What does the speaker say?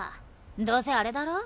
どうせあれだろ？